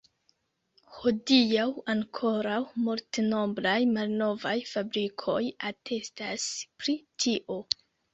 Hodiaŭ ankoraŭ multnombraj malnovaj fabrikoj atestas pri tio.